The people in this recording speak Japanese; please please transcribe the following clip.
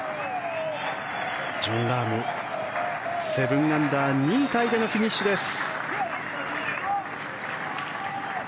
ジョン・ラーム、７アンダー２位タイでのフィニッシュです。